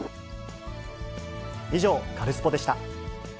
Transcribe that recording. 以上、カルスポっ！でした。